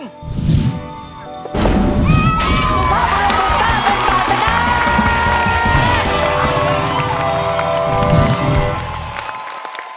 สุภาพรุนต์สุดก้าวเป็นต่อจะได้